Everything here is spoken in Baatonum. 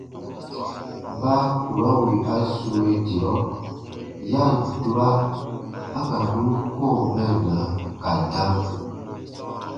Baa kurɔ wì a sue dirɔ, ya ǹ tura a ka nùn kɔ̃ɔ mɛnna ka dam.